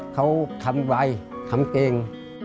เขาทำไวทำเก่ง